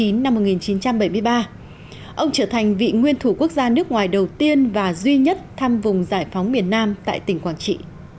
năm một nghìn chín trăm bảy mươi ba ông trở thành vị nguyên thủ quốc gia nước ngoài đầu tiên và duy nhất thăm vùng giải phóng miền nam tại tỉnh quảng trị